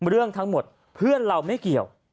เรื่องทั้งหมดเพื่อนเราไม่เกี่ยว